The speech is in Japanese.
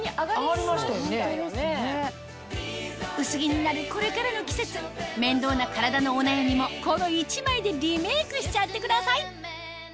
薄着になるこれからの季節面倒な体のお悩みもこの１枚でリメイクしちゃってください